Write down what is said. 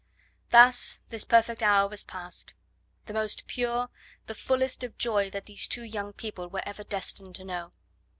Thus this perfect hour was past; the most pure, the fullest of joy that these two young people were ever destined to know.